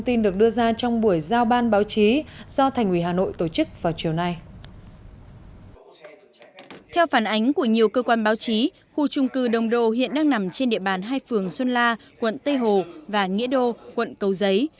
theo phản ánh của nhiều cơ quan báo chí khu trung cư đông đô hiện đang nằm trên địa bàn hai phường xuân la quận tây hồ và nghĩa đô quận cầu giấy